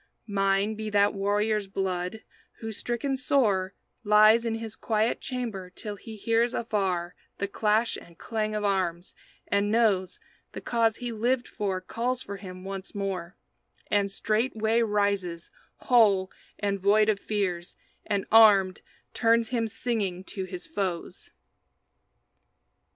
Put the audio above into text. Mine be that warrior's blood who, stricken sore, Lies in his quiet chamber till he hears Afar the clash and clang of arms, and knows The cause he lived for calls for him once more; And straightway rises, whole and void of fears, And armed, turns him singing to his foes.